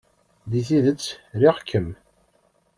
Deg tidet, riɣ-kem.